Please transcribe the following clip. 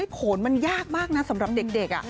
โขนมันยากมากนะสำหรับเด็ก